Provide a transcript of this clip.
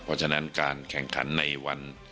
เพราะฉะนั้นการแข่งขันในวัน